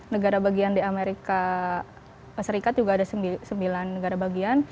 negara bagian di amerika serikat juga ada sembilan negara bagian